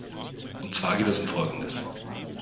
Und zwar geht es um Folgendes.